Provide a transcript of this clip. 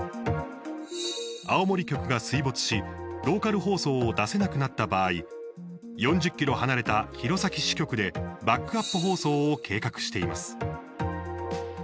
青森局が水没し、ローカル放送を出せなくなった場合４０ｋｍ離れた弘前支局でバックアップ放送を計画しています。